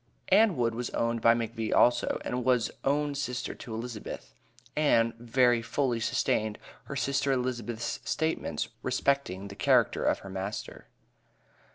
Ann Wood was owned by McVee also, and was own sister to Elizabeth. Ann very fully sustained her sister Elizabeth's statement respecting the character of her master.